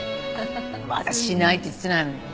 まだしないって言ってないのに。